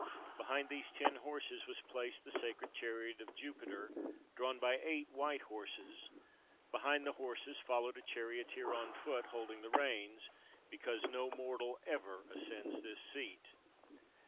Behind these ten horses was placed the sacred chariot of Jupiter, drawn by eight white horses; behind the horses followed a charioteer on foot, holding the reins; because no mortal ever ascends this seat.